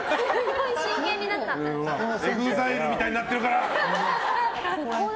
ＥＸＩＬＥみたいになってるから！